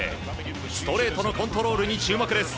ストレートのコントロールに注目です。